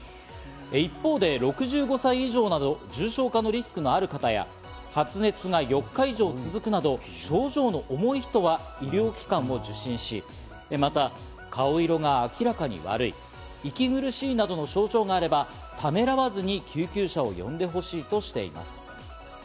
一方で６５歳以上など重症化のリスクのある方や発熱が４日以上続くなど症状の重い人は医療機関を受診し、また顔色が明らかに悪い、息苦しいなどの症状があれば、ためらわずに救急車を呼んでほしいとしています。